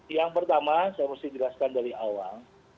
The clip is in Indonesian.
yang pertama saya mesti jelaskan dari awal